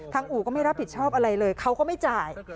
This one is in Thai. อู่ก็ไม่รับผิดชอบอะไรเลยเขาก็ไม่จ่าย